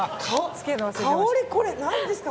香り、これ何ですか？